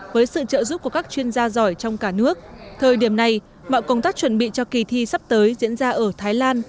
với sự trợ giúp của các chuyên gia giỏi trong cả nước thời điểm này mọi công tác chuẩn bị cho kỳ thi sắp tới diễn ra ở thái lan